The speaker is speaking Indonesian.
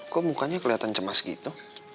kok mukanya kelihatan cemas gitu